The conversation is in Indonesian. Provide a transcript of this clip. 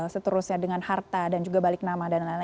seterusnya dengan harta dan juga balik nama dll